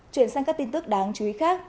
chuyển sang các tin tức đáng chú ý